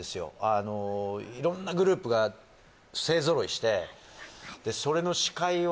あの色んなグループが勢ぞろいしてそれの司会をね